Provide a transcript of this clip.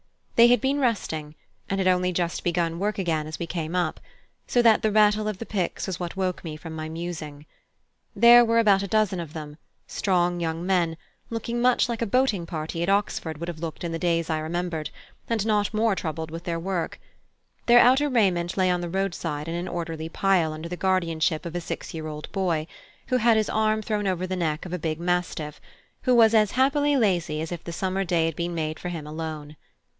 They had been resting, and had only just begun work again as we came up; so that the rattle of the picks was what woke me from my musing. There were about a dozen of them, strong young men, looking much like a boating party at Oxford would have looked in the days I remembered, and not more troubled with their work: their outer raiment lay on the road side in an orderly pile under the guardianship of a six year old boy, who had his arm thrown over the neck of a big mastiff, who was as happily lazy as if the summer day had been made for him alone.